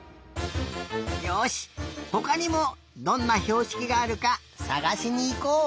よしほかにもどんなひょうしきがあるかさがしにいこう！